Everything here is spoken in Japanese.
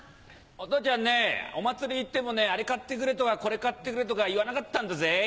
お父ちゃんねお祭り行ってもねあれ買ってくれとかこれ買ってくれとか言わなかったんだぜ。